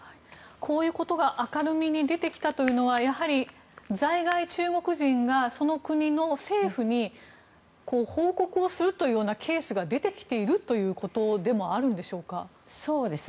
こういうことが明るみに出てきたというのはやはり、在外中国人がその国の政府に報告をするというケースが出てきているということでもあるんでしょうか。